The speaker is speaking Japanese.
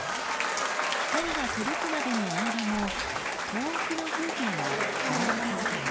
光が届くまでの間も遠くの風景は変わり続けます。